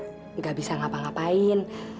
alda teh sebenarnya enggak bisa ngapa ngapain